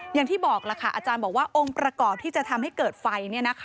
อย่างที่บอกล่ะค่ะอาจารย์บอกว่าองค์ประกอบที่จะทำให้เกิดไฟ